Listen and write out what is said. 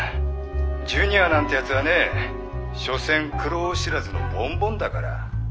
ジュニアなんてやつはね所詮苦労知らずのボンボンだから。